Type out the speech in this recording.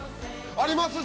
あります